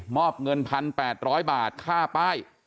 อบเงิน๑๘๐๐บาทค่าป้าย